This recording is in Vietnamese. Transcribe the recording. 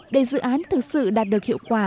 để dự án thực sự đạt được hiệu quả